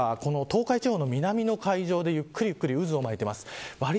現在は東海地方の南の海上でゆっくり渦を巻いています。